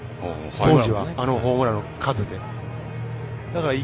当時は、あのホームランの数で。